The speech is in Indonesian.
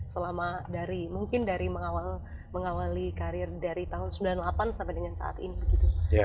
selama dari mungkin dari mengawali karir dari tahun sembilan puluh delapan sampai dengan saat ini begitu